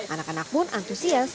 anak anak pun antusias